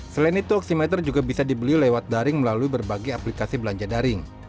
selain itu oksimeter juga bisa dibeli lewat daring melalui berbagai aplikasi belanja daring